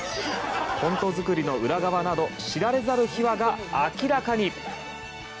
コント作りの裏側など知られざる秘話が明らかに！